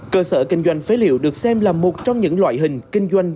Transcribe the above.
cơ sở kinh doanh phế liệu được xem là một trong những loại hình kinh doanh